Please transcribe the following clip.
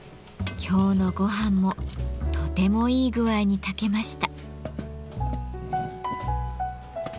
今日のごはんもとてもいい具合に炊けました。